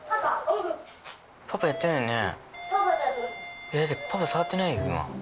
パパやってないよね？